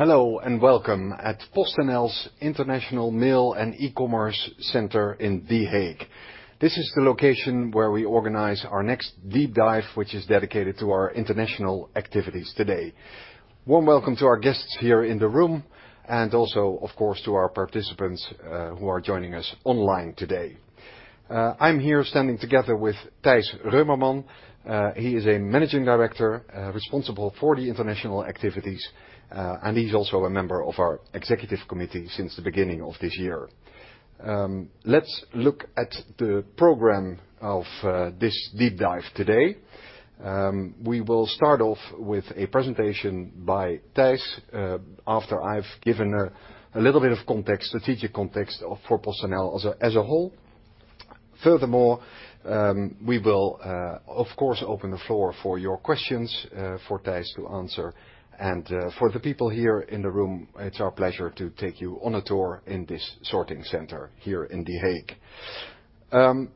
Hello, welcome at PostNL's International Mail and E-commerce Center in The Hague. This is the location where we organize our next deep dive, which is dedicated to our international activities today. Warm welcome to our guests here in the room, and also, of course, to our participants, who are joining us online today. I'm here standing together with Thijs Boel. He is a managing director, responsible for the international activities, and he's also a member of our Executive Committee since the beginning of this year. Let's look at the program of this deep dive today. We will start off with a presentation by Thijs, after I've given a little bit of context, strategic context for PostNL as a whole. We will, of course, open the floor for your questions, for Thijs to answer, and for the people here in the room, it's our pleasure to take you on a tour in this sorting center here in The Hague.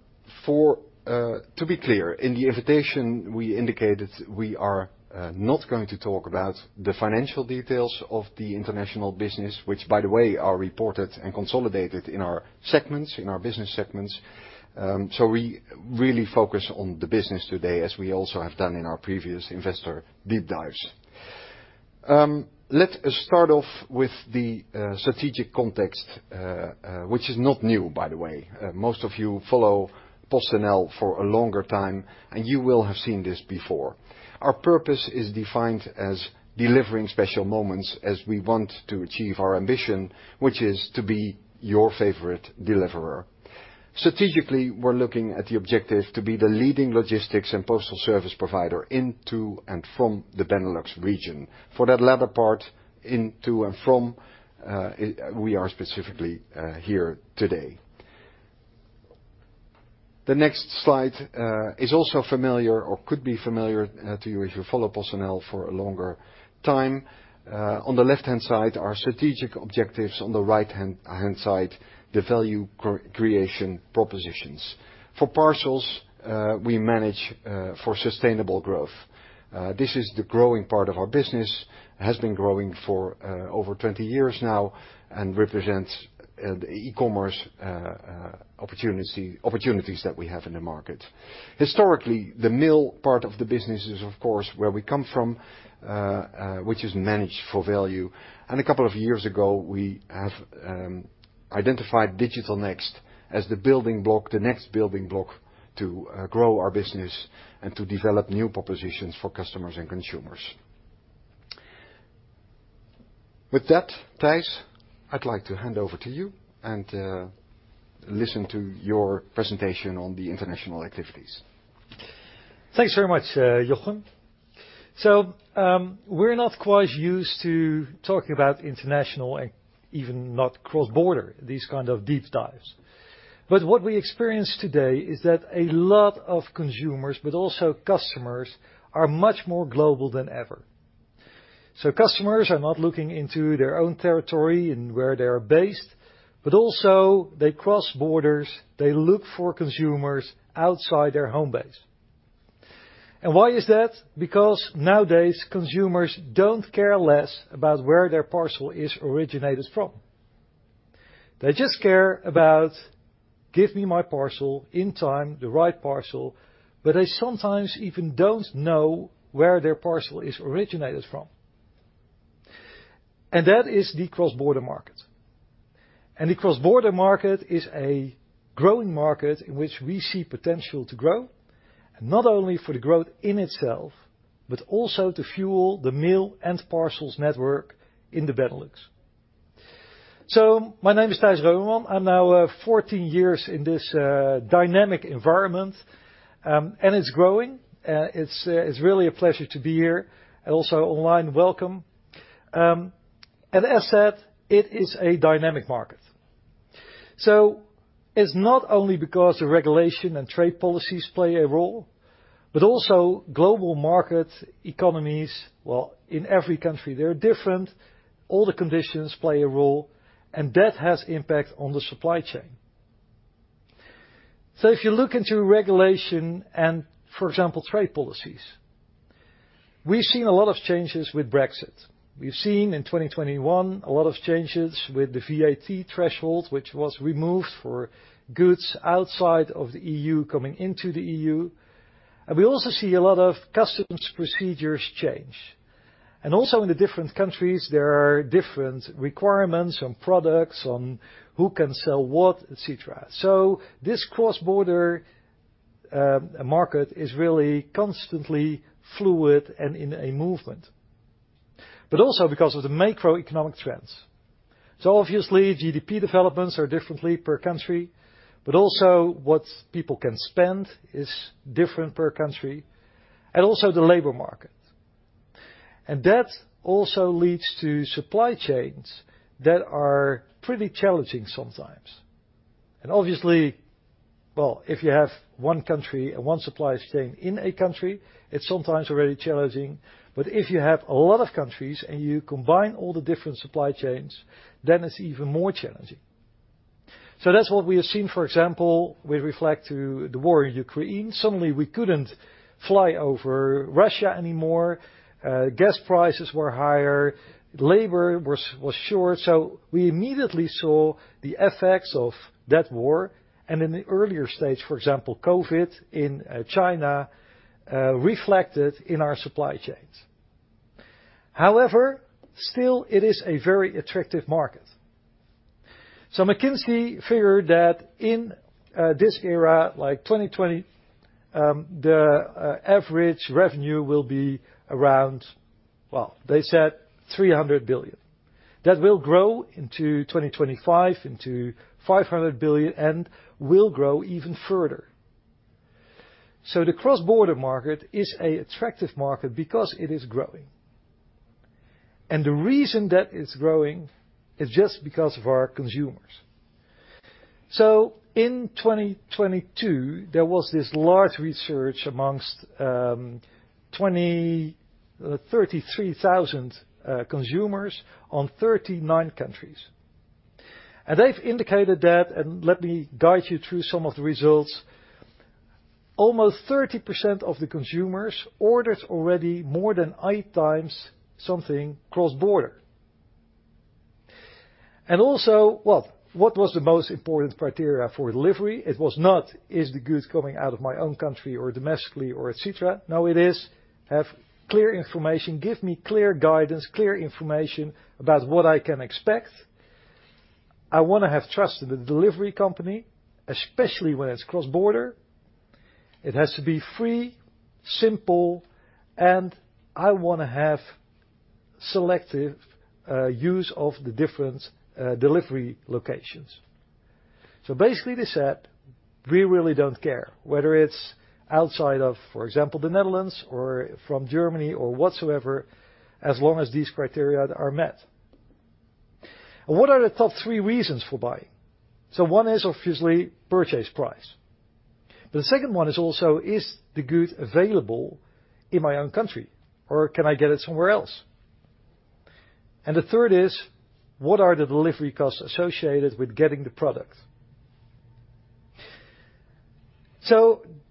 To be clear, in the invitation, we indicated we are not going to talk about the financial details of the international business, which, by the way, are reported and consolidated in our segments, in our business segments. We really focus on the business today, as we also have done in our previous investor deep dives. Let's start off with the strategic context, which is not new, by the way. Most of you follow PostNL for a longer time, and you will have seen this before. Our purpose is defined as delivering special moments, as we want to achieve our ambition, which is to be your favorite deliverer. Strategically, we're looking at the objective to be the leading logistics and postal service provider into and from the Benelux region. For that latter part, into and from, it, we are specifically here today. The next slide is also familiar or could be familiar to you if you follow PostNL for a longer time. On the left-hand side, our strategic objectives. On the right-hand side, the value creation propositions. For parcels, we manage for sustainable growth. This is the growing part of our business, has been growing for over 20 years now, and represents the e-commerce opportunities that we have in the market. Historically, the mail part of the business is, of course, where we come from, which is managed for value. A couple of years ago, we have identified Digital Next as the building block, the next building block, to grow our business and to develop new propositions for customers and consumers. With that, Thijs, I'd like to hand over to you and listen to your presentation on the international activities. Thanks very much, Jochem. We're not quite used to talking about international and even not cross-border, these kind of deep dives. What we experience today is that a lot of consumers, but also customers, are much more global than ever. Customers are not looking into their own territory and where they are based, but also they cross borders. They look for consumers outside their home base. Why is that? Because nowadays, consumers don't care less about where their parcel is originated from. They just care about, "Give me my parcel in time, the right parcel," but they sometimes even don't know where their parcel is originated from. That is the cross-border market. The cross-border market is a growing market in which we see potential to grow, and not only for the growth in itself, but also to fuel the mail and parcels network in the Benelux. My name is Thijs Boel. I'm now 14 years in this dynamic environment, and it's growing. It's really a pleasure to be here, and also online, welcome. As said, it is a dynamic market. It's not only because the regulation and trade policies play a role, but also global market economies. In every country they are different. All the conditions play a role, and that has impact on the supply chain. If you look into regulation and, for example, trade policies, we've seen a lot of changes with Brexit. We've seen in 2021 a lot of changes with the VAT threshold, which was removed for goods outside of the EU coming into the EU. We also see a lot of customs procedures change. Also in the different countries, there are different requirements on products, on who can sell what, et cetera. This cross-border market is really constantly fluid and in a movement, but also because of the macroeconomic trends. Obviously, GDP developments are differently per country, but also what people can spend is different per country, and also the labor market. That also leads to supply chains that are pretty challenging sometimes. Obviously, well, if you have one country and one supply chain in a country, it's sometimes already challenging. If you have a lot of countries and you combine all the different supply chains, then it's even more challenging. That's what we have seen, for example, we reflect to the war in Ukraine. Suddenly we couldn't fly over Russia anymore. Gas prices were higher, labor was short. We immediately saw the effects of that war. In the earlier stage, for example, COVID in China reflected in our supply chains. However, still it is a very attractive market. McKinsey figured that in this era, like 2020, the average revenue will be around, well, they said $300 billion. That will grow into 2025, into $500 billion and will grow even further. The cross-border market is a attractive market because it is growing. The reason that it's growing is just because of our consumers. In 2022, there was this large research amongst 33,000 consumers on 39 countries. They've indicated that, and let me guide you through some of the results. Almost 30% of the consumers ordered already more than 8 times something cross-border. Also, well, what was the most important criteria for delivery? It was not, is the goods coming out of my own country or domestically or et cetera. No, it is, have clear information, give me clear guidance, clear information about what I can expect. I wanna have trust in the delivery company, especially when it's cross-border. It has to be free, simple, and I wanna have selective use of the different delivery locations. Basically, they said, we really don't care whether it's outside of, for example, the Netherlands or from Germany or whatsoever, as long as these criteria are met. What are the top three reasons for buying? One is obviously purchase price, but the second one is also, is the good available in my own country or can I get it somewhere else? The third is, what are the delivery costs associated with getting the product?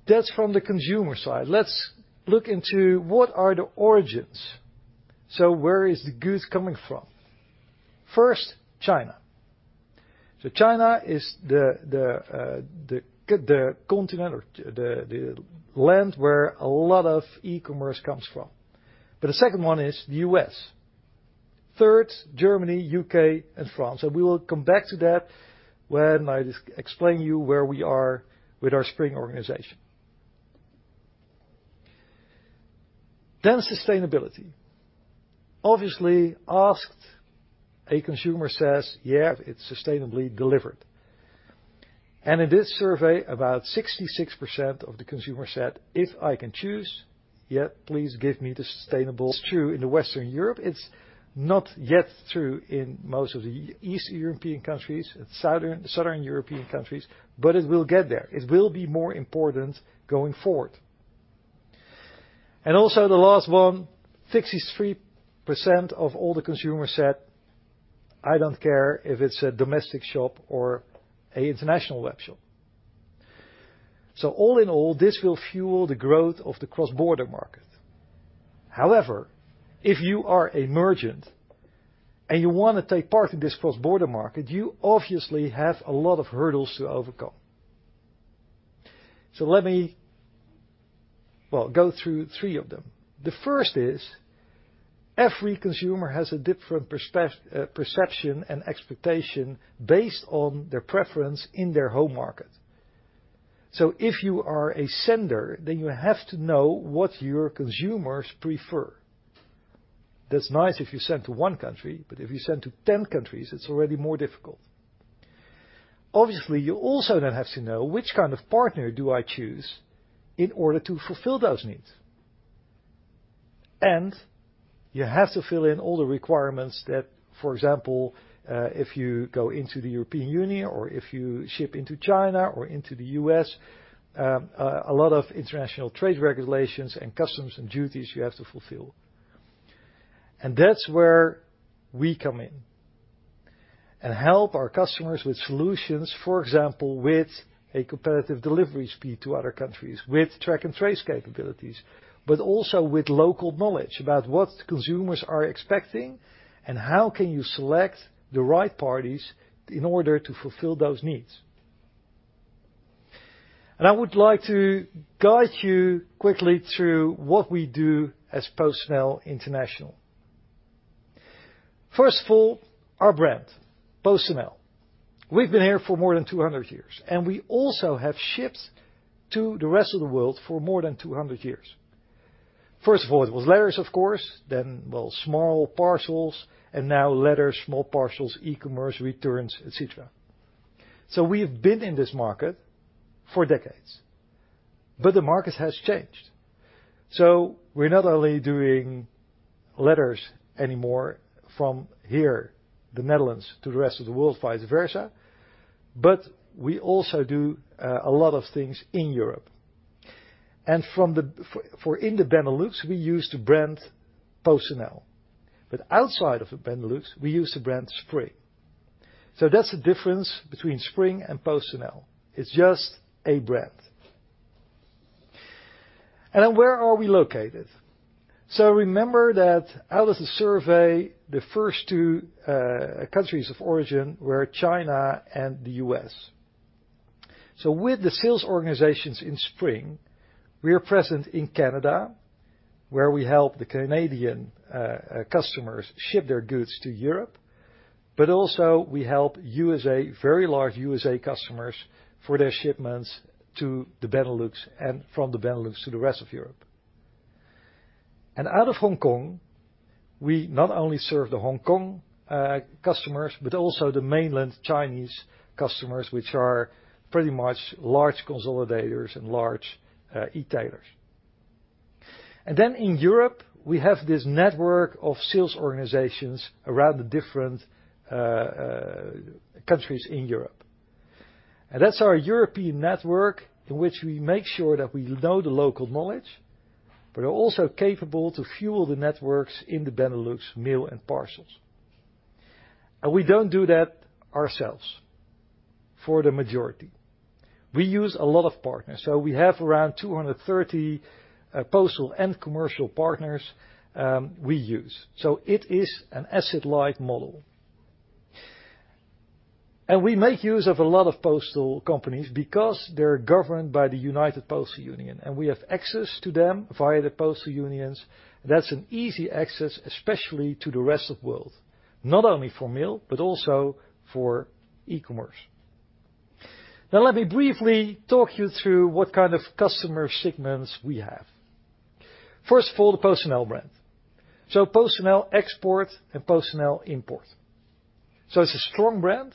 That's from the consumer side. Let's look into what are the origins. Where is the goods coming from? First, China. China is the continent or the land where a lot of e-commerce comes from. The second one is the U.S. Third, Germany, U.K., and France. We will come back to that when I explain you where we are with our Spring organization. Sustainability. Obviously, asked, a consumer says, "Yeah, it's sustainably delivered." In this survey, about 66% of the consumers said, "If I can choose, yeah, please give me the sustainable." It's true in Western Europe, it's not yet true in most of the East European countries and Southern European countries, but it will get there. It will be more important going forward. Also the last one, 63% of all the consumers said, "I don't care if it's a domestic shop or a international web shop." All in all, this will fuel the growth of the cross-border market. However, if you are a merchant and you want to take part in this cross-border market, you obviously have a lot of hurdles to overcome. Let me, well, go through three of them. The first is, every consumer has a different perception and expectation based on their preference in their home market. If you are a sender, you have to know what your consumers prefer. That's nice if you send to one country, if you send to 10 countries, it's already more difficult. Obviously, you also have to know which kind of partner do I choose in order to fulfill those needs. You have to fill in all the requirements that, for example, if you go into the European Union or if you ship into China or into the U.S., a lot of international trade regulations and customs and duties you have to fulfill. That's where we come in and help our customers with solutions, for example, with a competitive delivery speed to other countries, with track and trace capabilities, but also with local knowledge about what consumers are expecting and how can you select the right parties in order to fulfill those needs. I would like to guide you quickly through what we do as PostNL International. First of all, our brand, PostNL. We've been here for more than 200 years, and we also have shipped to the rest of the world for more than 200 years. First of all, it was letters, of course, then, well, small parcels, and now letters, small parcels, e-commerce, returns, et cetera. We've been in this market for decades, but the market has changed. We're not only doing letters anymore from here, the Netherlands, to the rest of the world, vice versa, but we also do a lot of things in Europe. In the Benelux, we use the brand PostNL. Outside of the Benelux, we use the brand Spring. That's the difference between Spring and PostNL. It's just a brand. Where are we located? Remember that out of the survey, the first two countries of origin were China and the U.S. With the sales organizations in Spring, we are present in Canada, where we help the Canadian customers ship their goods to Europe, but also we help USA, very large USA customers, for their shipments to the Benelux and from the Benelux to the rest of Europe. Out of Hong Kong, we not only serve the Hong Kong customers, but also the mainland Chinese customers, which are pretty much large consolidators and large e-tailers. In Europe, we have this network of sales organizations around the different countries in Europe. That's our European network, in which we make sure that we know the local knowledge, but are also capable to fuel the networks in the Benelux mail and parcels. We don't do that ourselves for the majority. We use a lot of partners, so we have around 230 postal and commercial partners we use. It is an asset-light model. We make use of a lot of postal companies because they're governed by the Universal Postal Union, and we have access to them via the postal unions. That's an easy access, especially to the rest of world, not only for mail, but also for e-commerce. Let me briefly talk you through what kind of customer segments we have. First of all, the PostNL brand. PostNL export and PostNL import. It's a strong brand,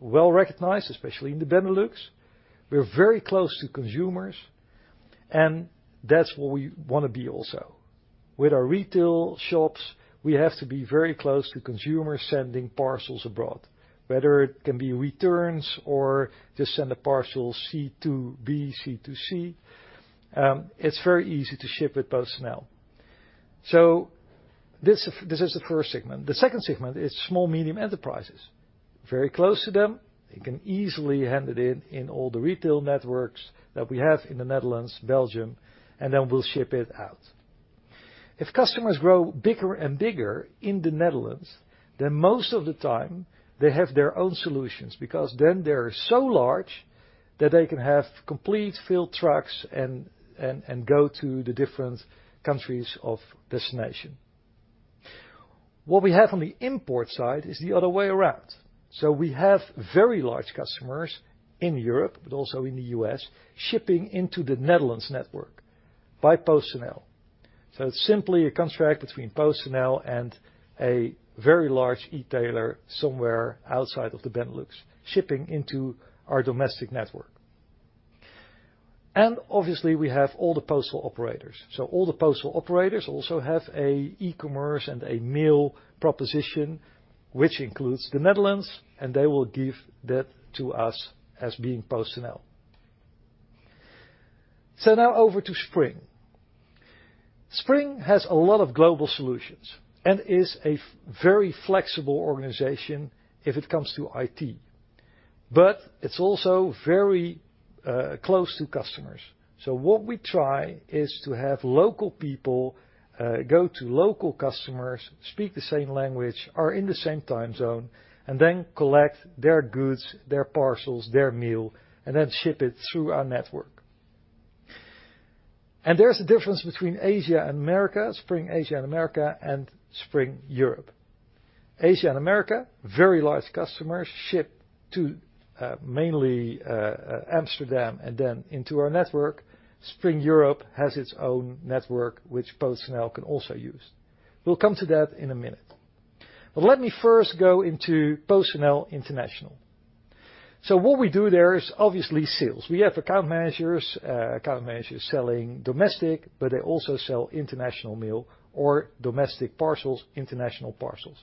well-recognized, especially in the Benelux. We're very close to consumers, and that's what we want to be also. With our retail shops, we have to be very close to consumers sending parcels abroad, whether it can be returns or just send a parcel C to B, C to C, it's very easy to ship with PostNL. This is the first segment. The second segment is small, medium enterprises. Very close to them. They can easily hand it in all the retail networks that we have in the Netherlands, Belgium, and then we'll ship it out. If customers grow bigger and bigger in the Netherlands, then most of the time they have their own solutions, because then they're so large that they can have complete filled trucks and, and go to the different countries of destination. We have very large customers in Europe, but also in the U.S., shipping into the Netherlands network by PostNL. It's simply a contract between PostNL and a very large e-tailer somewhere outside of the Benelux, shipping into our domestic network. Obviously, we have all the postal operators. All the postal operators also have a e-commerce and a mail proposition, which includes the Netherlands, and they will give that to us as being PostNL. Now over to Spring. Spring has a lot of global solutions and is a very flexible organization if it comes to IT, it's also very close to customers. What we try is to have local people go to local customers, speak the same language, are in the same time zone, collect their goods, their parcels, their mail, and then ship it through our network. There's a difference between Asia and America, Spring Asia and America, and Spring Europe. Asia and America, very large customers ship to mainly Amsterdam and then into our network. Spring Europe has its own network, which PostNL can also use. We'll come to that in a minute. Let me first go into PostNL International. What we do there is obviously sales. We have account managers selling domestic, they also sell international mail or domestic parcels, international parcels.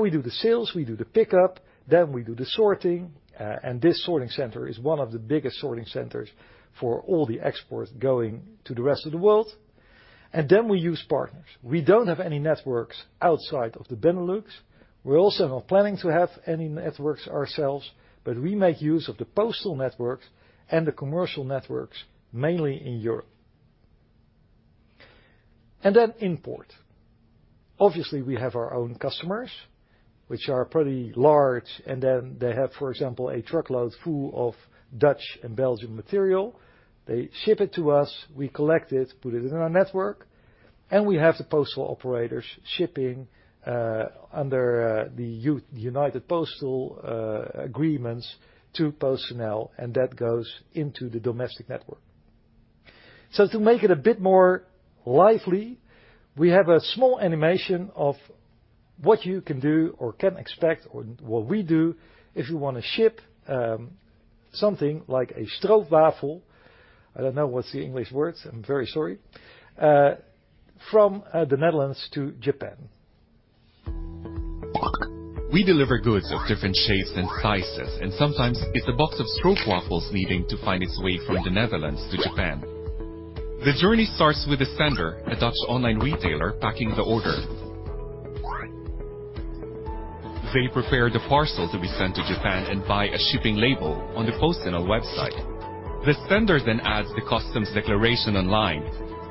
We do the sales, we do the pickup, we do the sorting, this sorting center is one of the biggest sorting centers for all the exports going to the rest of the world. We use partners. We don't have any networks outside of the Benelux. We're also not planning to have any networks ourselves, we make use of the postal networks and the commercial networks, mainly in Europe. Import. Obviously, we have our own customers, which are pretty large, they have, for example, a truckload full of Dutch and Belgian material. They ship it to us, we collect it, put it in our network, and we have the postal operators shipping, under the United Postal Agreements to PostNL, and that goes into the domestic network. To make it a bit more lively, we have a small animation of what you can do or can expect or what we do if you want to ship, something like a stroopwafel, I don't know what's the English words, I'm very sorry, from the Netherlands to Japan. We deliver goods of different shapes and sizes, and sometimes it's a box of stroopwafels needing to find its way from the Netherlands to Japan. The journey starts with the sender, a Dutch online retailer, packing the order. They prepare the parcel to be sent to Japan and buy a shipping label on the PostNL website. The sender then adds the customs declaration online.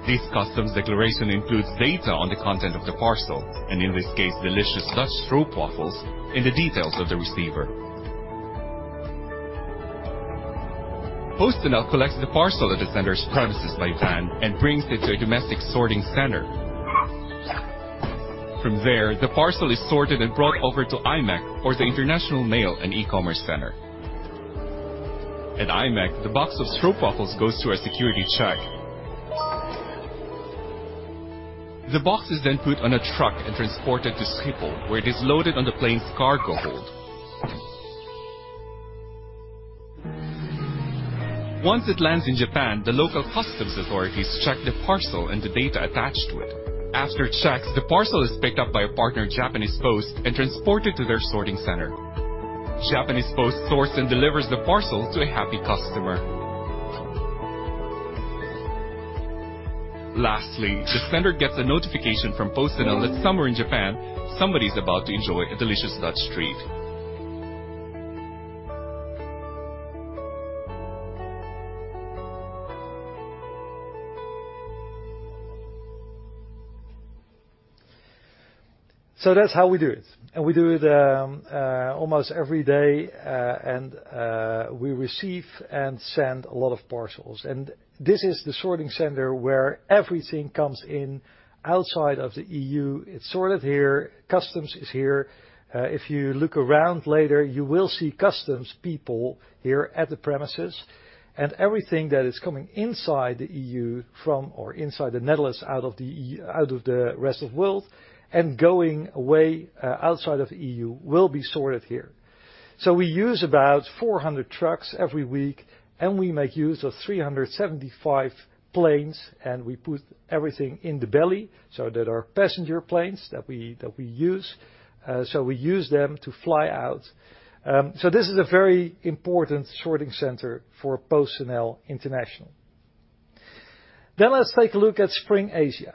This customs declaration includes data on the content of the parcel, and in this case, delicious Dutch stroopwafels, and the details of the receiver. PostNL collects the parcel at the sender's premises by van and brings it to a domestic sorting center. From there, the parcel is sorted and brought over to IMEC or the International Mail and E-commerce Center. At IMEC, the box of stroopwafels goes through a security check. The box is then put on a truck and transported to Schiphol, where it is loaded on the plane's cargo hold. Once it lands in Japan, the local customs authorities check the parcel and the data attached to it. After checks, the parcel is picked up by a partner, Japan Post, and transported to their sorting center. Japan Post sorts and delivers the parcel to a happy customer. The sender gets a notification from PostNL that somewhere in Japan, somebody's about to enjoy a delicious Dutch treat. That's how we do it, we do it almost every day, we receive and send a lot of parcels. This is the sorting center where everything comes in outside of the EU. It's sorted here. Customs is here. If you look around later, you will see customs people here at the premises and everything that is coming inside the EU from, or inside the Netherlands, out of the EU, out of the rest of world and going away, outside of the EU, will be sorted here. We use about 400 trucks every week, and we make use of 375 planes, and we put everything in the belly. There are passenger planes that we use, so we use them to fly out. This is a very important sorting center for PostNL International. Let's take a look at Spring Asia.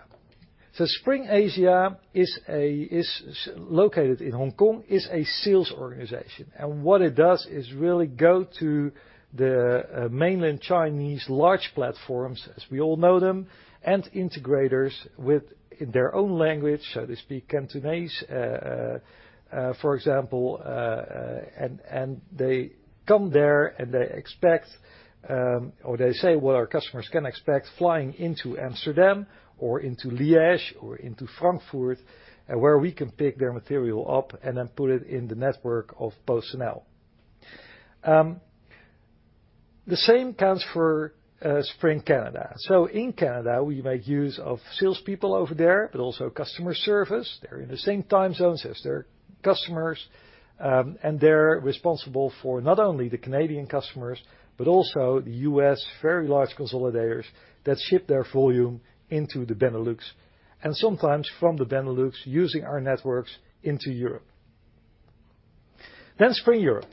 Spring Asia is located in Hong Kong, is a sales organization, and what it does is really go to the mainland Chinese large platforms, as we all know them, and integrators with, in their own language, so they speak Cantonese, for example. They come there, and they expect, or they say, what our customers can expect flying into Amsterdam or into Liège or into Frankfurt, where we can pick their material up and then put it in the network of PostNL. The same counts for Spring Canada. In Canada, we make use of salespeople over there, but also customer service. They're in the same time zones as their customers, they're responsible for not only the Canadian customers, but also the U.S. very large consolidators that ship their volume into the Benelux and sometimes from the Benelux, using our networks into Europe. Spring Europe.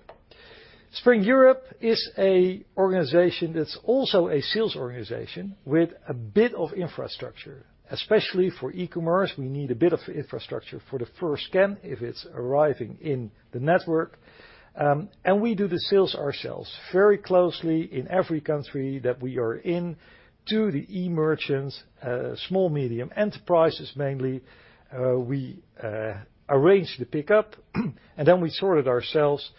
Spring Europe is a organization that's also a sales organization with a bit of infrastructure, especially for e-commerce, we need a bit of infrastructure for the first scan if it's arriving in the network. We do the sales ourselves very closely in every country that we are in to the e-merchant, small medium enterprises, mainly. We arrange the pickup, we sort it ourselves.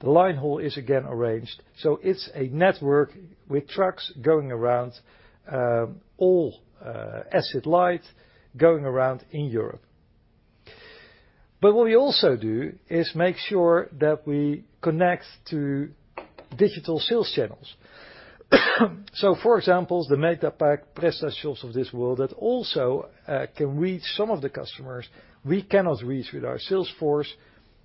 The line haul is again arranged, it's a network with trucks going around, all asset light, going around in Europe. What we also do is make sure that we connect to digital sales channels. For example, the Metapack, PrestaShop of this world, that also can reach some of the customers we cannot reach with our sales force.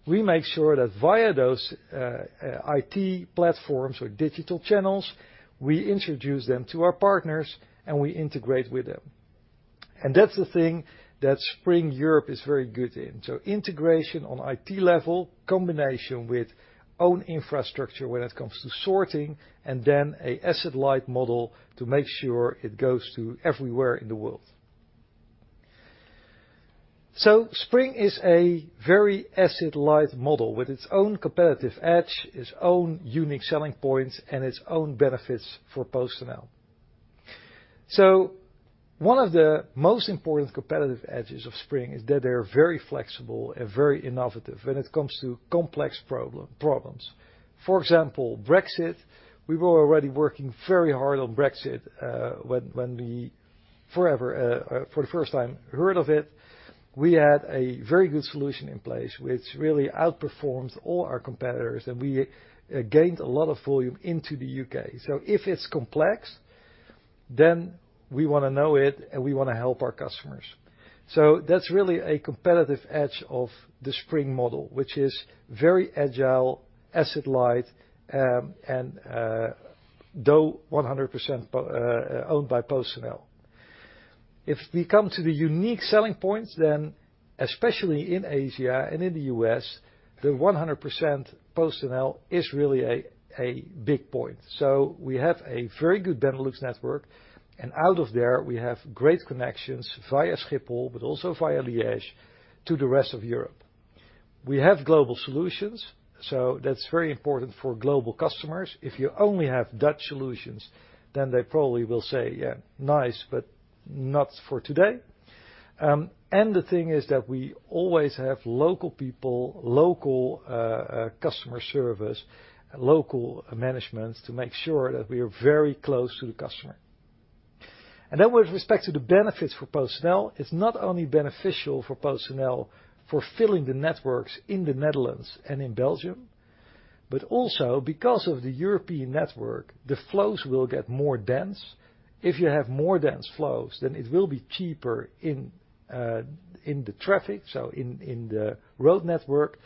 We make sure that via those IT platforms or digital channels, we introduce them to our partners, and we integrate with them. That's the thing that Spring Europe is very good in. Integration on IT level, combination with own infrastructure when it comes to sorting, and then a asset-light model to make sure it goes to everywhere in the world. Spring is a very asset-light model with its own competitive edge, its own unique selling points, and its own benefits for PostNL. One of the most important competitive edges of Spring is that they're very flexible and very innovative when it comes to complex problems. For example, Brexit, we were already working very hard on Brexit when we for the first time heard of it. We had a very good solution in place, which really outperforms all our competitors, and we gained a lot of volume into the UK. If it's complex, then we want to know it, and we want to help our customers. That's really a competitive edge of the Spring model, which is very agile, asset light, and though 100% owned by PostNL. If we come to the unique selling points, then especially in Asia and in the US, the 100% PostNL is really a big point. We have a very good Benelux network, and out of there, we have great connections via Schiphol, but also via Liege to the rest of Europe. We have global solutions, so that's very important for global customers. If you only have Dutch solutions, then they probably will say, "Yeah, nice, but not for today." The thing is that we always have local people, local customer service, and local management to make sure that we are very close to the customer. With respect to the benefits for PostNL, it's not only beneficial for PostNL for filling the networks in the Netherlands and in Belgium, but also because of the European network, the flows will get more dense. If you have more dense flows, then it will be cheaper in the traffic, in the road network,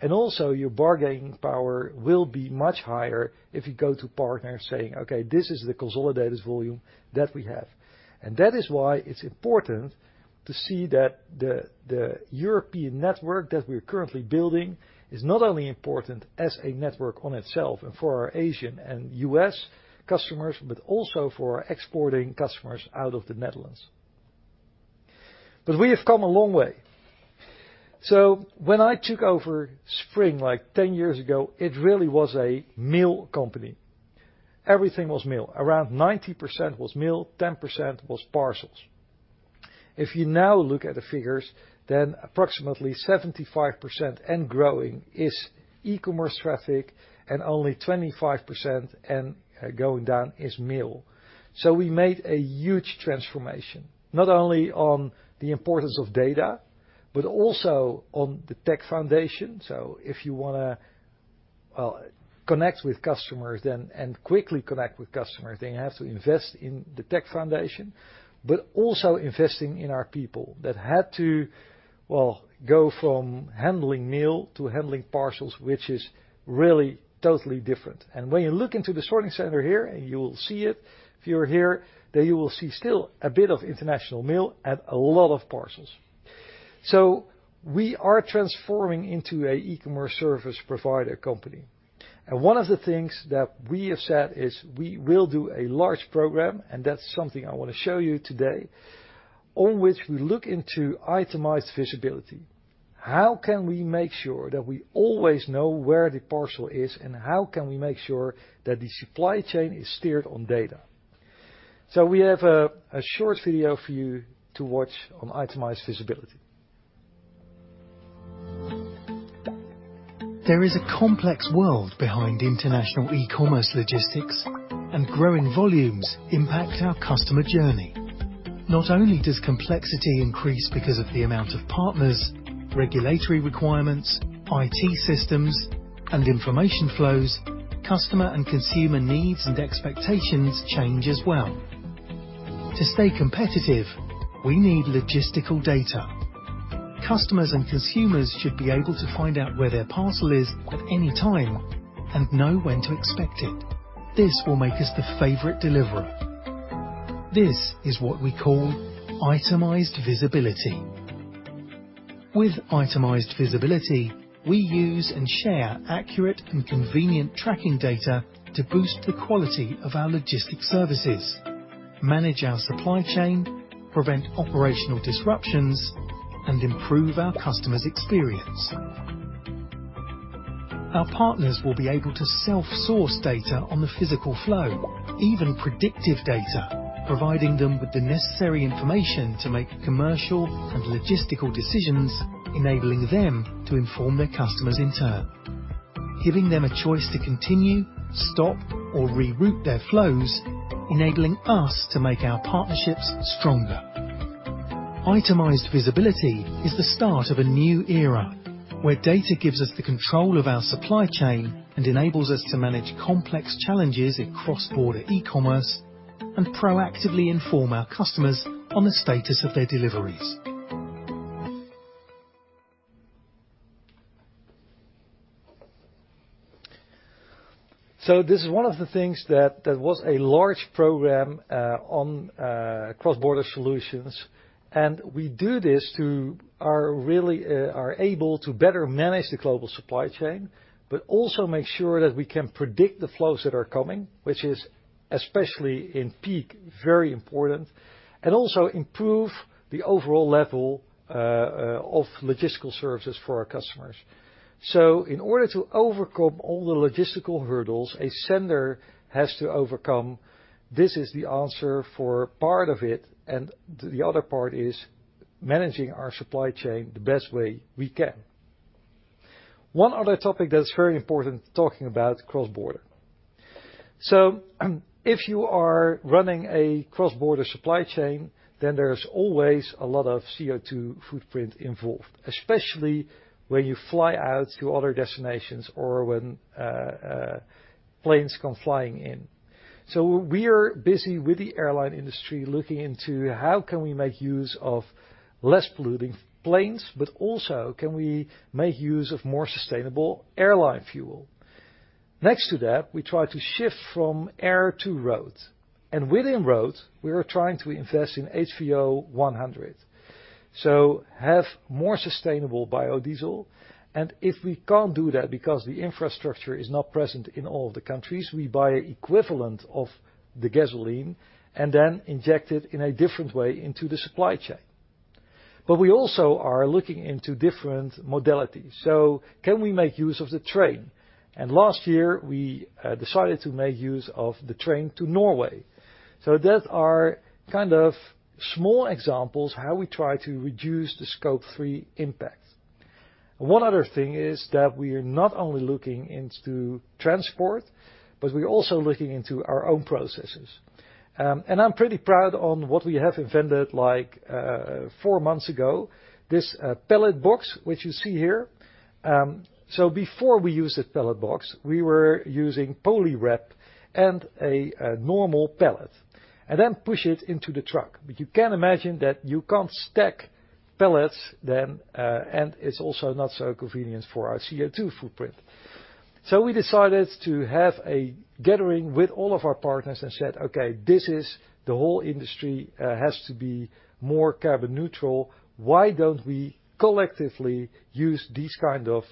and also your bargaining power will be much higher if you go to partners saying, "Okay, this is the consolidated volume that we have." That is why it's important to see that the European network that we are currently building is not only important as a network on itself and for our Asian and US customers, but also for our exporting customers out of the Netherlands. We have come a long way. When I took over Spring, like 10 years ago, it really was a mail company. Everything was mail. Around 90% was mail, 10% was parcels. If you now look at the figures, then approximately 75% and growing is e-commerce traffic, and only 25% and going down is mail. We made a huge transformation, not only on the importance of data, but also on the tech foundation. If you want to, well, connect with customers then, and quickly connect with customers, then you have to invest in the tech foundation, but also investing in our people that had to, well, go from handling mail to handling parcels, which is really totally different. When you look into the sorting center here, and you will see it, if you are here, then you will see still a bit of international mail and a lot of parcels. We are transforming into a e-commerce service provider company, and one of the things that we have said is we will do a large program, and that's something I want to show you today, on which we look into itemized visibility. How can we make sure that we always know where the parcel is, and how can we make sure that the supply chain is steered on data? We have a short video for you to watch on itemized visibility. There is a complex world behind international e-commerce logistics, and growing volumes impact our customer journey. Not only does complexity increase because of the amount of partners, regulatory requirements, IT systems, and information flows, customer and consumer needs and expectations change as well. To stay competitive, we need logistical data. Customers and consumers should be able to find out where their parcel is at any time and know when to expect it. This will make us the favorite deliverer. This is what we call itemized visibility. With itemized visibility, we use and share accurate and convenient tracking data to boost the quality of our logistic services, manage our supply chain, prevent operational disruptions, and improve our customers' experience. Our partners will be able to self-source data on the physical flow, even predictive data, providing them with the necessary information to make commercial and logistical decisions, enabling them to inform their customers in turn. Giving them a choice to continue, stop, or reroute their flows, enabling us to make our partnerships stronger. Itemized visibility is the start of a new era, where data gives us the control of our supply chain and enables us to manage complex challenges in cross-border e-commerce and proactively inform our customers on the status of their deliveries. This is one of the things that was a large program on cross-border solutions, and we do this to are really able to better manage the global supply chain, but also make sure that we can predict the flows that are coming, which is, especially in peak, very important, and also improve the overall level of logistical services for our customers. In order to overcome all the logistical hurdles a sender has to overcome, this is the answer for part of it, and the other part is managing our supply chain the best way we can. One other topic that's very important, talking about cross-border. If you are running a cross-border supply chain, then there's always a lot of CO2 footprint involved, especially when you fly out to other destinations or when planes come flying in. We are busy with the airline industry, looking into how can we make use of less polluting planes, but also, can we make use of more sustainable airline fuel? Next to that, we try to shift from air to road, and within road, we are trying to invest in HVO100. Have more sustainable biodiesel, and if we can't do that because the infrastructure is not present in all of the countries, we buy equivalent of the gasoline and then inject it in a different way into the supply chain. We also are looking into different modalities. Can we make use of the train? Last year, we decided to make use of the train to Norway. That are kind of small examples, how we try to reduce the Scope 3 impact. One other thing is that we are not only looking into transport, but we're also looking into our own processes. I'm pretty proud on what we have invented, like, 4 months ago, this pallet box, which you see here. Before we used a pallet box, we were using poly wrap and a normal pallet, and then push it into the truck. You can imagine that you can't stack pallets then, and it's also not so convenient for our CO2 footprint. We decided to have a gathering with all of our partners and said: Okay, this is the whole industry has to be more carbon neutral. Why don't we collectively use these kind of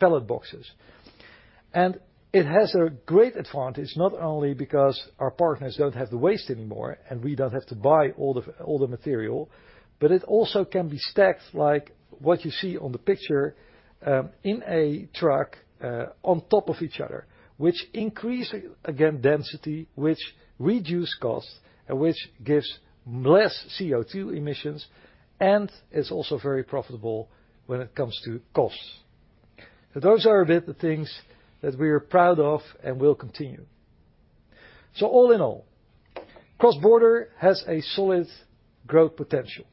pallet boxes? It has a great advantage, not only because our partners don't have the waste anymore, and we don't have to buy all the material, but it also can be stacked, like what you see on the picture, in a truck on top of each other, which increase, again, density, which reduce costs, and which gives less CO2 emissions, and it's also very profitable when it comes to costs. Those are a bit the things that we are proud of and will continue. All in all, cross-border has a solid growth potential,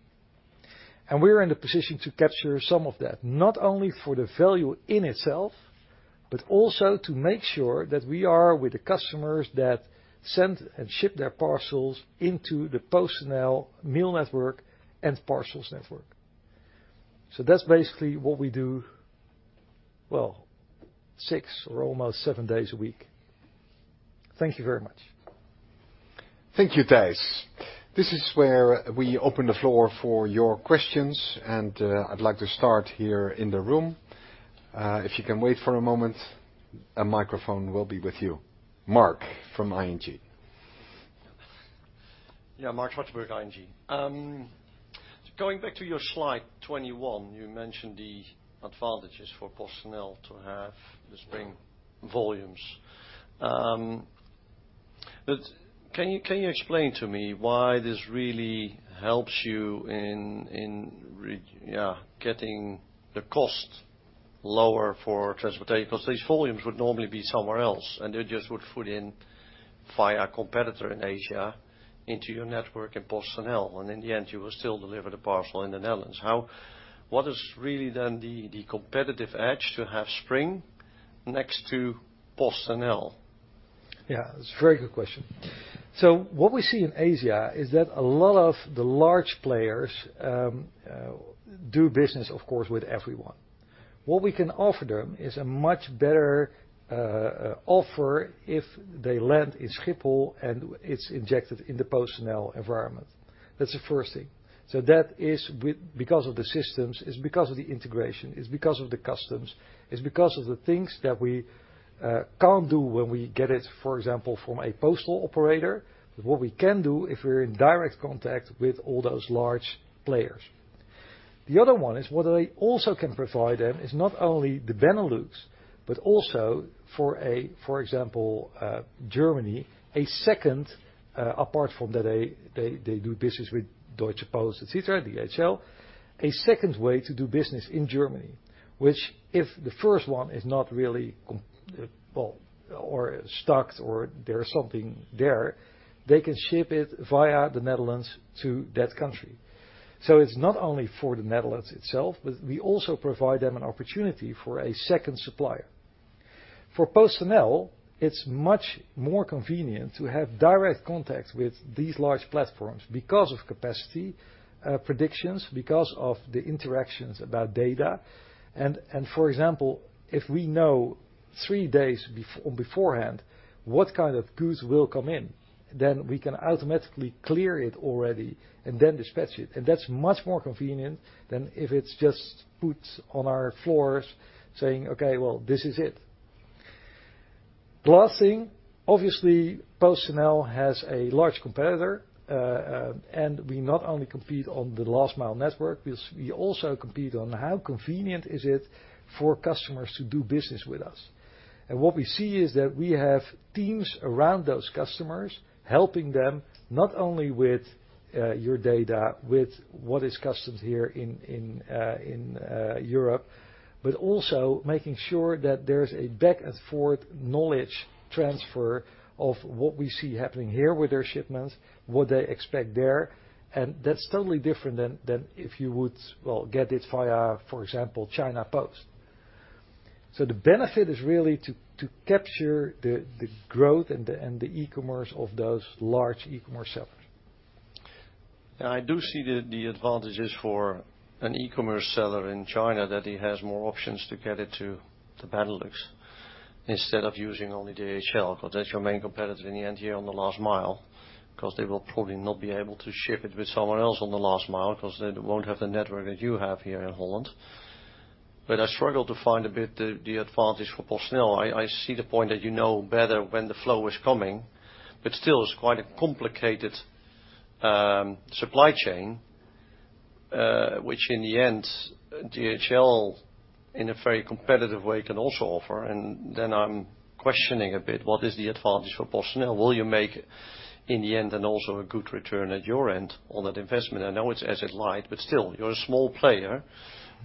and we are in a position to capture some of that, not only for the value in itself, but also to make sure that we are with the customers that send and ship their parcels into the PostNL mail network and parcels network. That's basically what we do, well, 6 or almost 7 days a week. Thank you very much. Thank you, Thijs. This is where we open the floor for your questions. I'd like to start here in the room. If you can wait for a moment, a microphone will be with you. Mark, from ING. Mark Zwartsenburg, ING. going back to your slide 21, you mentioned the advantages for PostNL to have the Spring volumes. Can you explain to me why this really helps you in getting the cost lower for transportation? Because these volumes would normally be somewhere else, and they just would put in via a competitor in Asia into your network in PostNL, and in the end, you will still deliver the parcel in the Netherlands. What is really then the competitive edge to have Spring next to PostNL? That's a very good question. What we see in Asia is that a lot of the large players do business, of course, with everyone. What we can offer them is a much better offer if they land in Schiphol and it's injected in the PostNL environment. That's the first thing. That is because of the systems, it's because of the integration, it's because of the customs, it's because of the things that we can't do when we get it, for example, from a postal operator, but what we can do if we're in direct contact with all those large players. The other one is, what I also can provide them is not only the Benelux, but also for example, Germany, a second, apart from that, they do business with Deutsche Post, et cetera, DHL. A second way to do business in Germany, which, if the first one is not really well, or stuck or there's something there, they can ship it via the Netherlands to that country. It's not only for the Netherlands itself, but we also provide them an opportunity for a second supplier. For PostNL, it's much more convenient to have direct contact with these large platforms because of capacity predictions, because of the interactions about data, and for example, if we know three days beforehand, what kind of goods will come in, then we can automatically clear it already and then dispatch it, and that's much more convenient than if it's just put on our floors saying, "Okay, well, this is it." Last thing, obviously, PostNL has a large competitor, and we not only compete on the last mile network, we also compete on how convenient is it for customers to do business with us. What we see is that we have teams around those customers, helping them not only with your data, with what is customs here in Europe, but also making sure that there's a back and forth knowledge transfer of what we see happening here with their shipments, what they expect there, and that's totally different than if you would, well, get it via, for example, China Post. The benefit is really to capture the growth and the e-commerce of those large e-commerce sellers. I do see the advantages for an e-commerce seller in China, that he has more options to get it to Benelux, instead of using only DHL, because that's your main competitor in the end, here on the last mile. 'Cause they will probably not be able to ship it with someone else on the last mile, 'cause they won't have the network that you have here in Holland. I struggle to find a bit the advantage for PostNL. I see the point that you know better when the flow is coming, but still it's quite a complicated supply chain, which in the end, DHL, in a very competitive way, can also offer. Then I'm questioning a bit, what is the advantage for PostNL? Will you make, in the end, and also a good return at your end on that investment? I know it's asset light, but still, you're a small player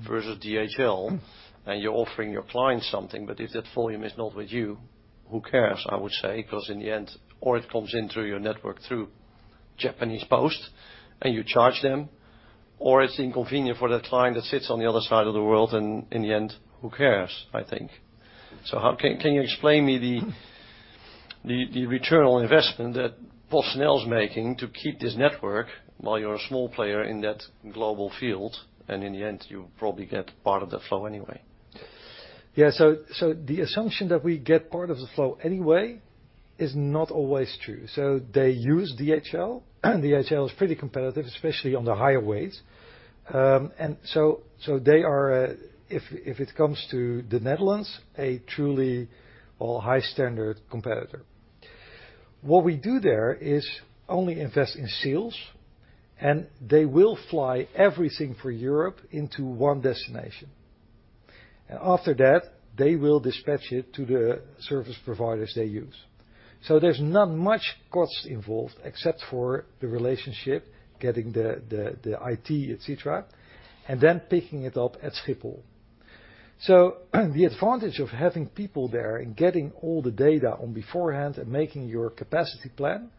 versus DHL, and you're offering your clients something, but if that volume is not with you, who cares? I would say, ’cause in the end, or it comes in through your network, through Japan Post, and you charge them, or it's inconvenient for that client that sits on the other side of the world, and in the end, who cares? I think. Can you explain me the return on investment that PostNL is making to keep this network while you're a small player in that global field, and in the end, you probably get part of the flow anyway. The assumption that we get part of the flow anyway, is not always true. They use DHL, and DHL is pretty competitive, especially on the higher weights. They are, if it comes to the Netherlands, a truly, well, high standard competitor. What we do there is only invest in sales, and they will fly everything for Europe into one destination. After that, they will dispatch it to the service providers they use. There's not much cost involved except for the relationship, getting the IT, et cetera, and then picking it up at Schiphol. The advantage of having people there and getting all the data on beforehand and making your capacity plan,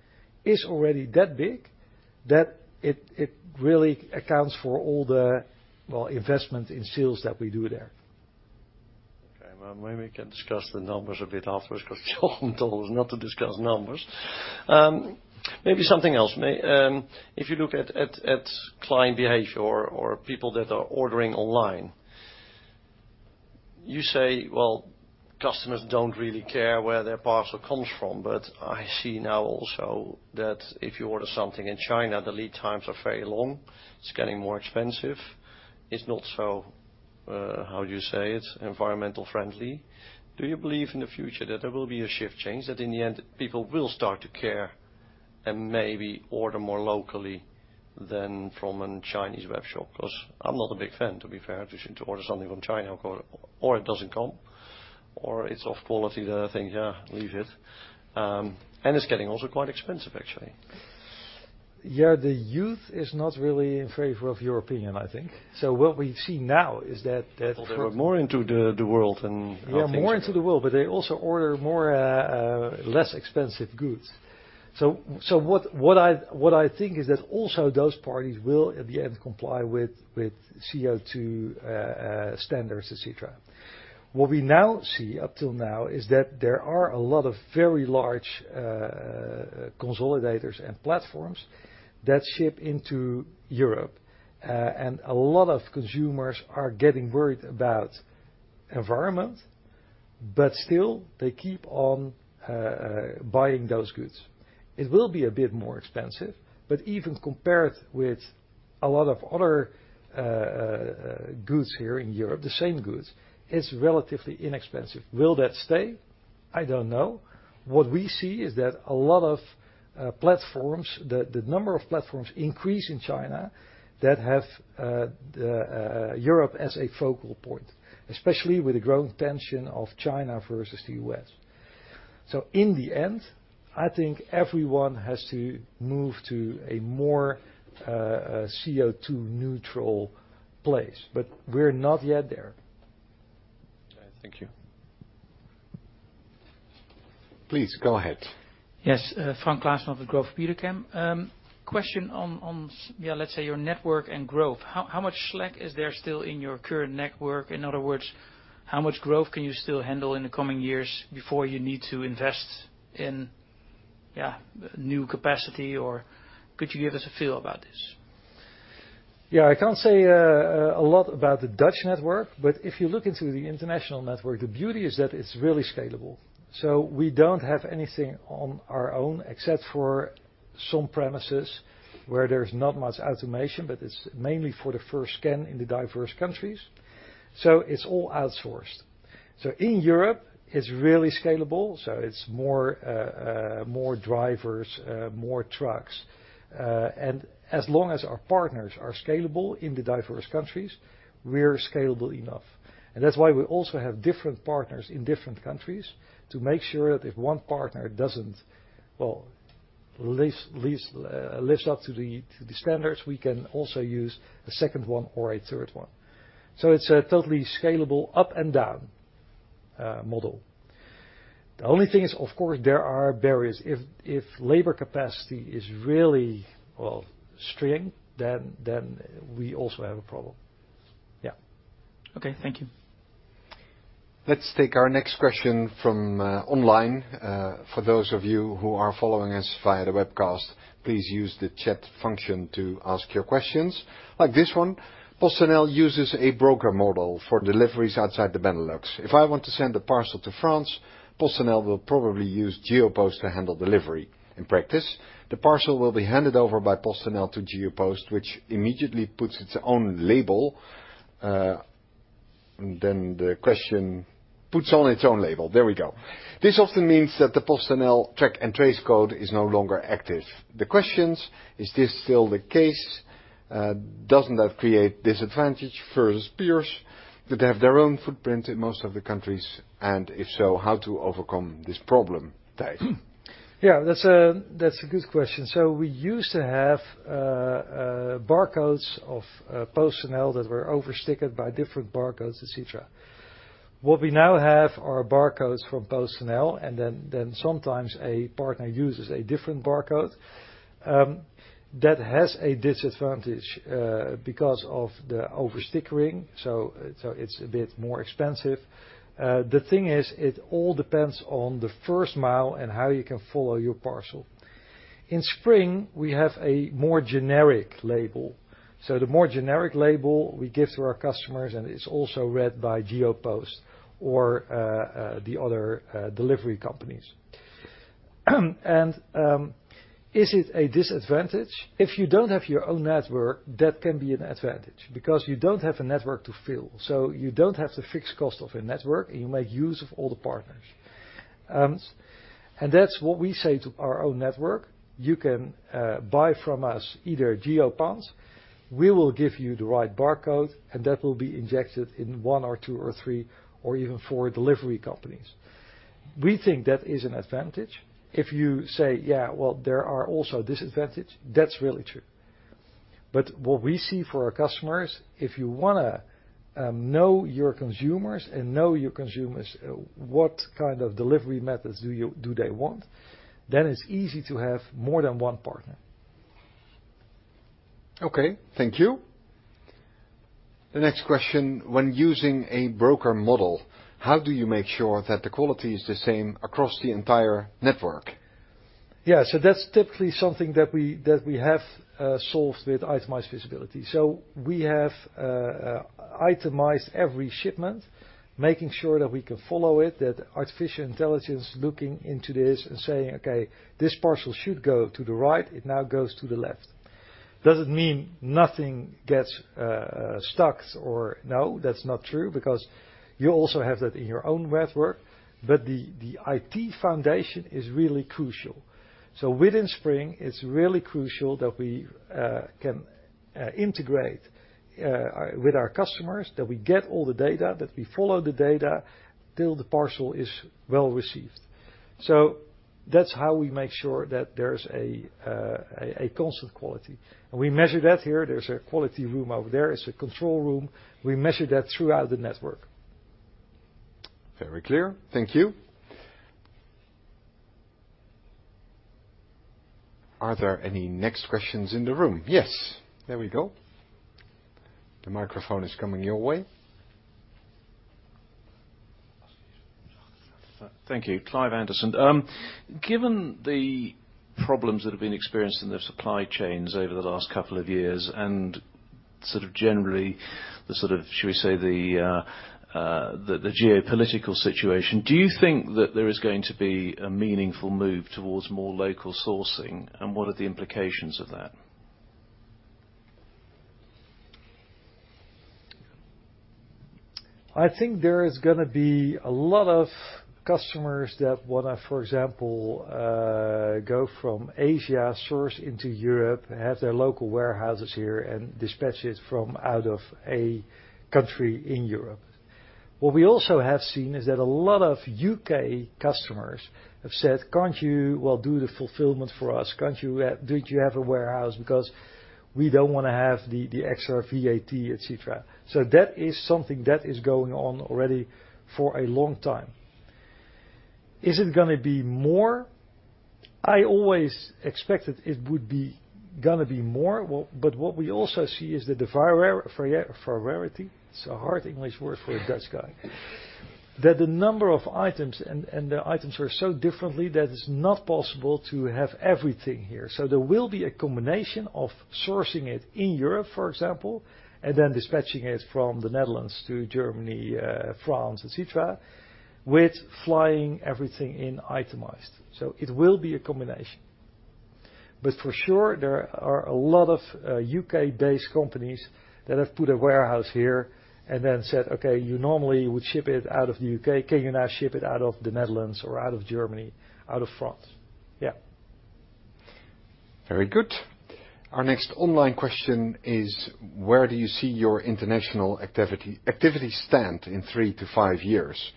is already that big, that it really accounts for all the, well, investment in sales that we do there. Okay, well, maybe we can discuss the numbers a bit afterwards, because John told us not to discuss numbers. Maybe something else. If you look at client behavior or people that are ordering online, you say, "Well, customers don't really care where their parcel comes from." I see now also that if you order something in China, the lead times are very long, it's getting more expensive. It's not so, how you say it, environmental friendly. Do you believe in the future that there will be a shift change, that in the end, people will start to care and maybe order more locally than from a Chinese web shop? 'Cause I'm not a big fan, to be fair, to order something from China, or it doesn't come, or it's off quality that I think, "Yeah, leave it." It's getting also quite expensive, actually. Yeah, the youth is not really in favor of your opinion, I think. What we see now is that. Well, they are more into the world. Yeah, more into the world, but they also order more less expensive goods. What I think is that also those parties will, at the end, comply with CO2 standards, et cetera. What we now see up till now is that there are a lot of very large consolidators and platforms that ship into Europe, and a lot of consumers are getting worried about environment, but still they keep on buying those goods. It will be a bit more expensive, but even compared with a lot of other goods here in Europe, the same goods, it's relatively inexpensive. Will that stay? I don't know. What we see is that a lot of platforms, the number of platforms increase in China, that have Europe as a focal point, especially with the growing tension of China versus the US. In the end, I think everyone has to move to a more CO2 neutral place, but we're not yet there. Thank you. Please, go ahead. Yes, Frank Claassen of Degroof Petercam. Question on let's say your network and growth. How much slack is there still in your current network? In other words, how much growth can you still handle in the coming years before you need to invest in new capacity? Could you give us a feel about this? Yeah, I can't say a lot about the Dutch network. If you look into the international network, the beauty is that it's really scalable. We don't have anything on our own except for some premises where there's not much automation. It's mainly for the first scan in the diverse countries. It's all outsourced. In Europe, it's really scalable. It's more drivers, more trucks. As long as our partners are scalable in the diverse countries, we're scalable enough. That's why we also have different partners in different countries to make sure that if one partner doesn't, well, lives up to the standards, we can also use a second one or a third one. It's a totally scalable up and down model. The only thing is, of course, there are barriers. If labor capacity is really, well, strained, then we also have a problem. Yeah. Okay. Thank you. Let's take our next question from online. For those of you who are following us via the webcast, please use the chat function to ask your questions, like this one. "PostNL uses a broker model for deliveries outside the Benelux. If I want to send a parcel to France, PostNL will probably use Geopost to handle delivery. In practice, the parcel will be handed over by PostNL to Geopost, which immediately puts its own label," then the question, "puts on its own label." There we go. "This often means that the PostNL track and trace code is no longer active. The questions: Is this still the case? Doesn't that create disadvantage for its peers, that they have their own footprint in most of the countries, and if so, how to overcome this problem?" Thijs. Yeah, that's a good question. We used to have barcodes of PostNL that were over-stickered by different barcodes, et cetera. What we now have are barcodes from PostNL, and then sometimes a partner uses a different barcode. That has a disadvantage because of the over-stickering, so it's a bit more expensive. The thing is, it all depends on the first mile and how you can follow your parcel. In Spring, we have a more generic label, so the more generic label we give to our customers, and it's also read by Geopost or the other delivery companies. Is it a disadvantage? If you don't have your own network, that can be an advantage because you don't have a network to fill, you don't have the fixed cost of a network, you make use of all the partners. That's what we say to our own network: You can buy from us, either Geopost, we will give you the right barcode, that will be injected in 1 or 2 or 3 or even 4 delivery companies. We think that is an advantage. If you say, "Yeah, well, there are also disadvantages," that's really true. What we see for our customers, if you wanna know your consumers, what kind of delivery methods do they want, it's easy to have more than one partner. Okay, thank you. The next question: When using a broker model, how do you make sure that the quality is the same across the entire network? Yeah, that's typically something that we have solved with itemized visibility. We have itemized every shipment, making sure that we can follow it, that artificial intelligence looking into this and saying, "Okay, this parcel should go to the right, it now goes to the left." Does it mean nothing gets stuck or? No, that's not true, because you also have that in your own network, but the IT foundation is really crucial. Within Spring, it's really crucial that we can integrate with our customers, that we get all the data, that we follow the data till the parcel is well received. That's how we make sure that there's a constant quality. We measure that here. There's a quality room over there. It's a control room. We measure that throughout the network. Very clear. Thank you. Are there any next questions in the room? Yes, there we go. The microphone is coming your way. Thank you. Clive Anderson. Given the problems that have been experienced in the supply chains over the last couple of years and sort of generally the sort of, should we say, the geopolitical situation, do you think that there is going to be a meaningful move towards more local sourcing, and what are the implications of that? I think there is gonna be a lot of customers that wanna, for example, go from Asia, source into Europe, have their local warehouses here, and dispatch it from out of a country in Europe. What we also have seen is that a lot of U.K. customers have said: "Can't you, well, do the fulfillment for us? Can't you, don't you have a warehouse? Because we don't want to have the extra VAT, et cetera." That is something that is going on already for a long time. Is it gonna be more? I always expected it would be gonna be more. What we also see is that the variety, it's a hard English word for a Dutch guy, that the number of items, and the items are so differently that it's not possible to have everything here. There will be a combination of sourcing it in Europe, for example, and then dispatching it from the Netherlands to Germany, France, et cetera, with flying everything in itemized. It will be a combination. For sure, there are a lot of U.K.-based companies that have put a warehouse here and then said, "Okay, you normally would ship it out of the U.K. Can you now ship it out of the Netherlands or out of Germany, out of France?" Yeah. Very good. Our next online question is: Where do you see your international activity stand in 3 to 5 years?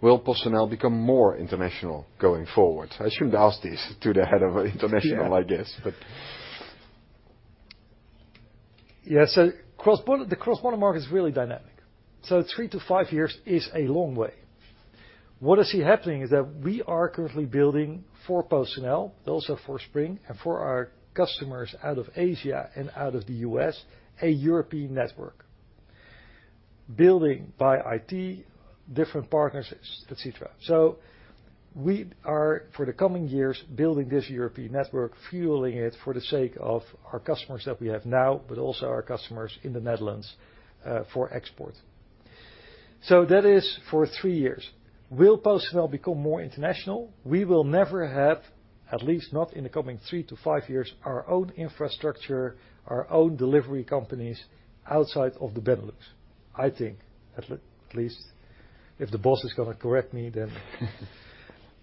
Will PostNL become more international going forward? I shouldn't ask this to the head of international, I guess, but... Yeah, cross-border, the cross-border market is really dynamic, so 3-5 years is a long way. What I see happening is that we are currently building for PostNL, also for Spring, and for our customers out of Asia and out of the U.S., a European network. Building by IT, different partners, et cetera. We are, for the coming years, building this European network, fueling it for the sake of our customers that we have now, but also our customers in the Netherlands for export. That is for 3 years. Will PostNL become more international? We will never have, at least not in the coming 3-5 years, our own infrastructure, our own delivery companies outside of the Benelux. I think, at least, if the boss is gonna correct me.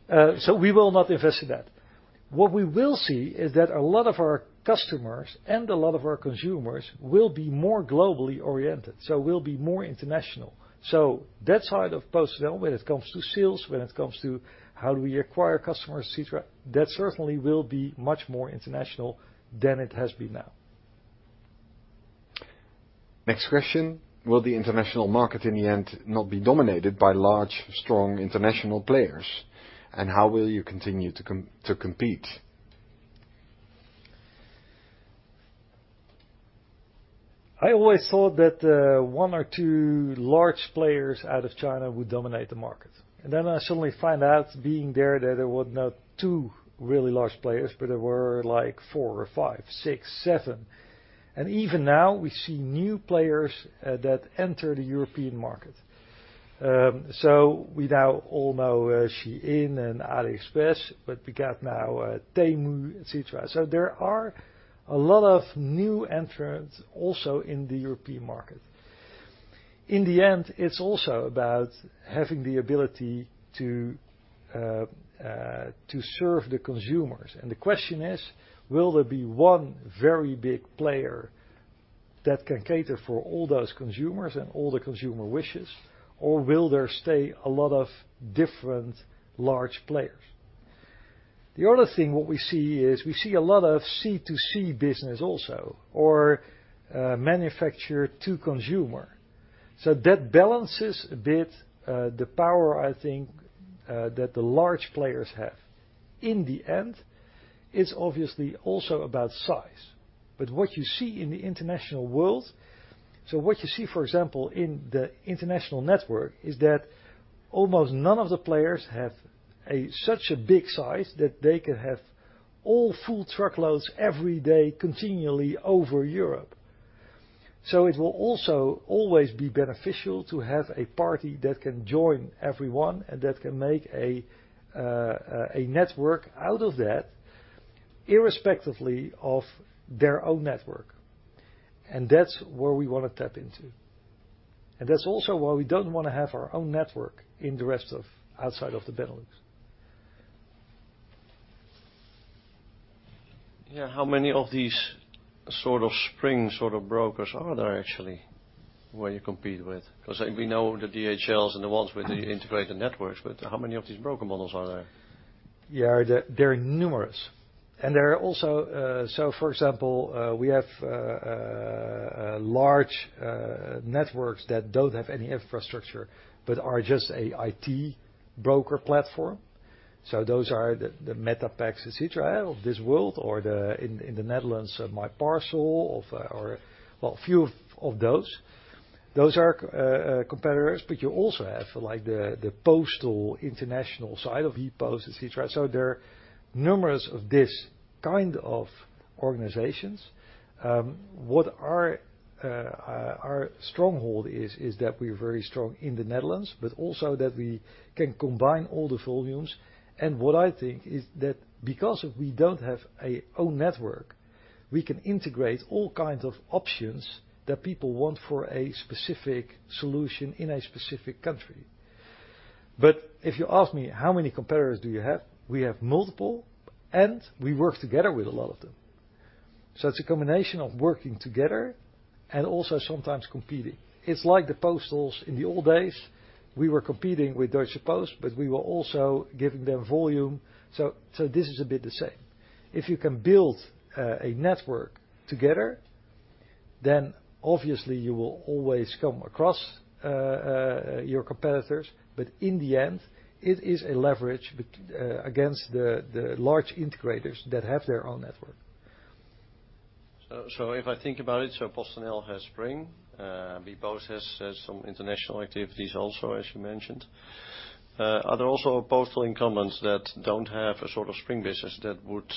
We will not invest in that. What we will see is that a lot of our customers and a lot of our consumers will be more globally oriented, so we'll be more international. That side of PostNL, when it comes to sales, when it comes to how do we acquire customers, et cetera, that certainly will be much more international than it has been now. Next question: Will the international market in the end not be dominated by large, strong international players? How will you continue to compete? I always thought that one or two large players out of China would dominate the market. Then I suddenly find out, being there, that there were not two really large players, but there were like four or five, six, seven. Even now, we see new players that enter the European market. We now all know SHEIN and AliExpress, but we got now Temu, et cetera. There are a lot of new entrants also in the European market. In the end, it's also about having the ability to serve the consumers. The question is, will there be one very big player that can cater for all those consumers and all the consumer wishes, or will there stay a lot of different large players? The other thing, what we see is, we see a lot of C2C business also, or manufacturer to consumer. That balances a bit the power I think that the large players have. In the end, it's obviously also about size. What you see in the international world, so what you see, for example, in the international network, is that almost none of the players have a such a big size that they can have all full truckloads every day continually over Europe. It will also always be beneficial to have a party that can join everyone and that can make a network out of that, irrespectively of their own network. That's where we want to tap into, and that's also why we don't want to have our own network in the rest of outside of the Benelux. Yeah, how many of these sort of Spring, sort of brokers are there actually, where you compete with? We know the DHLs and the ones with the integrated networks, but how many of these broker models are there? Yeah, they're numerous. There are also. For example, we have large networks that don't have any infrastructure, but are just a IT broker platform. Those are the MetaPack, et cetera, of this world, or the, in the Netherlands, MyParcel or, well, a few of those. Those are competitors, but you also have, like, the postal international side of ePost, et cetera. There are numerous of this kind of organizations. What our stronghold is that we're very strong in the Netherlands, but also that we can combine all the volumes. What I think is that because if we don't have a own network, we can integrate all kinds of options that people want for a specific solution in a specific country. If you ask me, how many competitors do you have? We have multiple, and we work together with a lot of them. It's a combination of working together and also sometimes competing. It's like the postals in the old days, we were competing with Deutsche Post, but we were also giving them volume. This is a bit the same. If you can build a network together, then obviously you will always come across your competitors. In the end, it is a leverage against the large integrators that have their own network. If I think about it, PostNL has Spring, bpost has some international activities also, as you mentioned. Are there also postal incumbents that don't have a sort of Spring business that would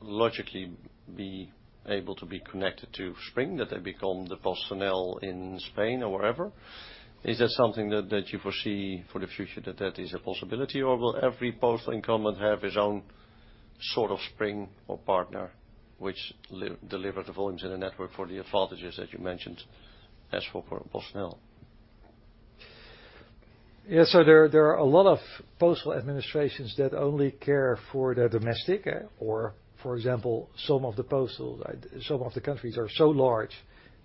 logically be able to be connected to Spring, that they become the PostNL in Spain or wherever? Is that something that you foresee for the future, that is a possibility? Or will every postal incumbent have his own sort of Spring or partner, which deliver the volumes in the network for the advantages that you mentioned as for PostNL? There are a lot of postal administrations that only care for their domestic, or for example, some of the postal, some of the countries are so large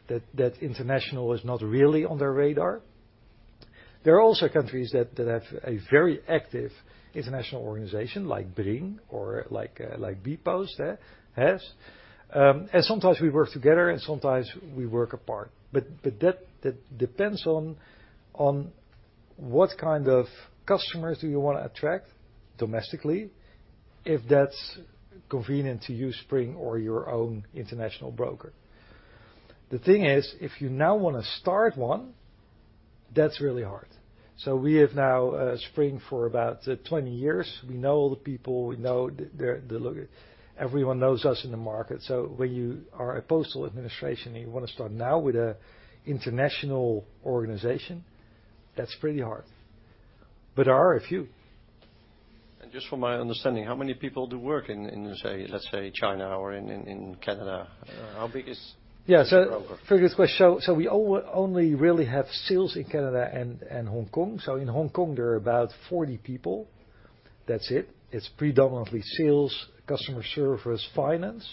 that international is not really on their radar. There are also countries that have a very active international organization, like Bring or like bpost has. Sometimes we work together and sometimes we work apart. That depends on what kind of customers do you want to attract domestically, if that's convenient to use Spring or your own international broker? The thing is, if you now want to start one, that's really hard. We have now Spring for about 20 years. We know all the people. Everyone knows us in the market. When you are a postal administration, and you want to start now with an international organization, that's pretty hard. There are a few. Just for my understanding, how many people do work in, say, let's say, China or in Canada? Yeah. -the broker? Very good question. We only really have sales in Canada and Hong Kong. In Hong Kong, there are about 40 people. That's it. It's predominantly sales, customer service, finance,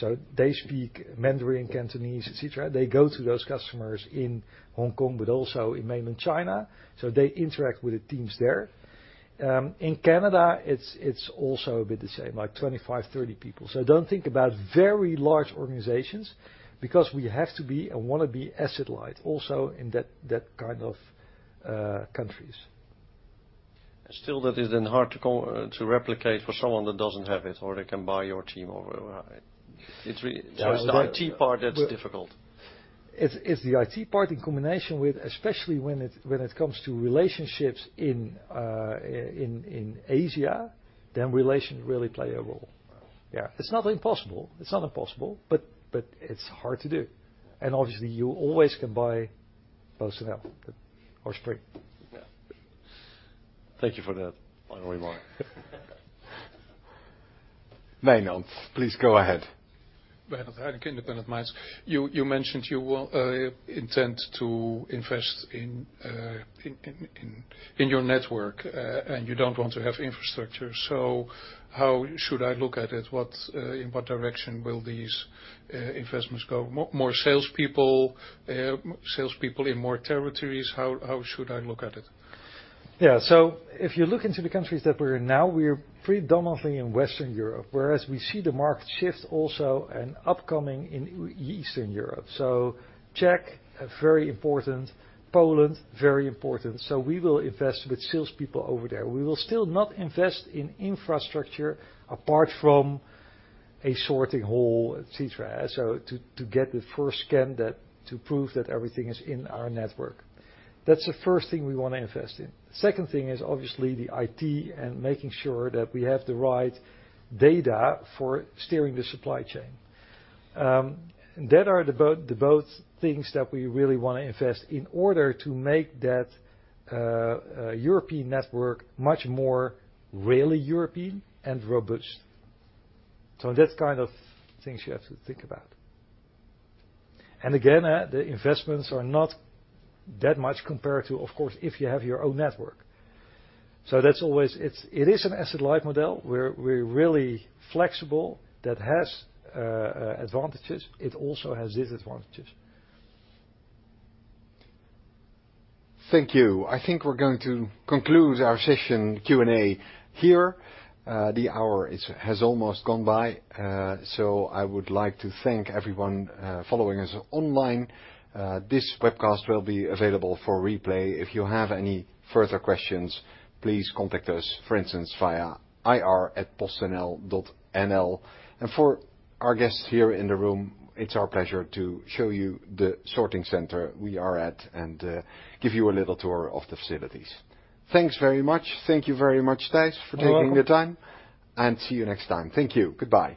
so they speak Mandarin, Cantonese, et cetera. They go to those customers in Hong Kong, but also in mainland China, so they interact with the teams there. In Canada, it's also a bit the same, like 25, 30 people. Don't think about very large organizations, because we have to be and want to be asset light also in that kind of countries. That is then hard to replicate for someone that doesn't have it, or they can buy your team over. Yeah. It's the IT part that's difficult. It's the IT part in combination with, especially when it comes to relationships in Asia, then relations really play a role. Wow! Yeah. It's not impossible. It's not impossible, but it's hard to do. Obviously, you always can buy PostNL or Spring. Yeah. Thank you for that final remark. Wijnand, please go ahead. You mentioned you intend to invest in your network, and you don't want to have infrastructure. How should I look at it? What's in what direction will these investments go? More salespeople in more territories? How should I look at it? Yeah. If you look into the countries that we're in now, we're predominantly in Western Europe, whereas we see the market shift also and upcoming in Eastern Europe. Czech, very important. Poland, very important. We will invest with salespeople over there. We will still not invest in infrastructure, apart from a sorting hall, et cetera, so to get the first scan that, to prove that everything is in our network. That's the first thing we want to invest in. Second thing is obviously the IT and making sure that we have the right data for steering the supply chain. That are the both things that we really want to invest in order to make that European network much more really European and robust. That's kind of things you have to think about. Again, the investments are not that much compared to, of course, if you have your own network. That's always. It is an asset-light model, where we're really flexible, that has advantages. It also has disadvantages. Thank you. I think we're going to conclude our session Q&A here. The hour has almost gone by. I would like to thank everyone, following us online. This webcast will be available for replay. If you have any further questions, please contact us, for instance, via ir@PostNL.nl. For our guests here in the room, it's our pleasure to show you the sorting center we are at and, give you a little tour of the facilities. Thanks very much. Thank you very much, Thijs. You're welcome. for taking the time. See you next time. Thank you. Goodbye.